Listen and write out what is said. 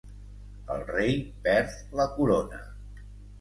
El rei perd la corona.